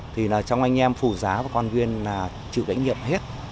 thì là trong anh em phù giá của con viên là chịu đánh nhiệm hết